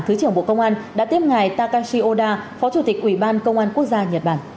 thứ trưởng bộ công an đã tiếp ngài takashi oda phó chủ tịch quỷ ban công an quốc gia nhật bản